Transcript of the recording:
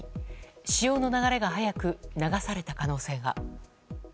潮の流れが速く流された可能性が。